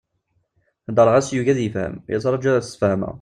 Heddṛeɣ-as yugi ad yefhem, yettṛaǧu ad as-fehmeɣ!